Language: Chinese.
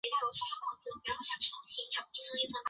推测可能是两个不同胚胎在发育中形成一个嵌合体。